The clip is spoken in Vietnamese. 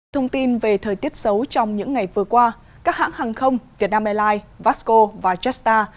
thông tin về thời tiết xấu trong những ngày vừa qua các hãng hàng không việt nam airlines vasco và jetstar